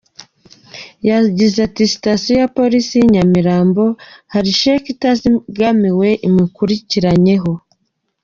Yagize ati "Sitasiyo ya Polisi y’i Nyamirambo hari sheke itazigamiye imukurikiranyeho.